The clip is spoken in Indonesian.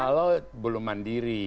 kalau belum mandiri